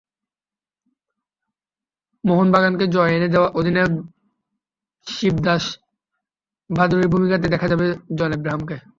মোহনবাগানকে জয় এনে দেওয়া অধিনায়ক শিবদাস ভাদুড়ির ভূমিকাতেই দেখা যাবে জন এব্রাহামকে।